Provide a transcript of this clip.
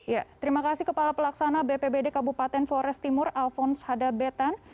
ya terima kasih kepala pelaksana bpbd kabupaten flores timur alphonse hadabetan